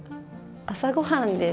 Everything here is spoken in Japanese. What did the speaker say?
朝ごはんです。